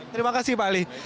terima kasih pak ali